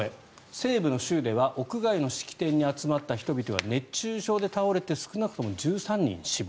西部の州では屋外の式典に集まった人々が熱中症で倒れて少なくとも１３人が死亡。